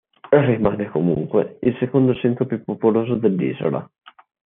Rimane comunque il secondo centro più popoloso dell'isola.